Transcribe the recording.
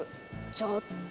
ちょっと。